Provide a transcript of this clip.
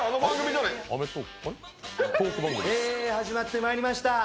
始まってまいりました。